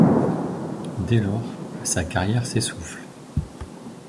Dès lors sa carrière s'essouffle.